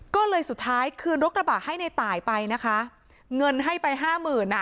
ก็เลยสุดท้ายคืนรถกระบะให้ในตายไปนะคะเงินให้ไปห้าหมื่นอ่ะ